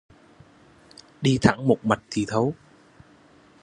Đi thẳng một mạch thì thấu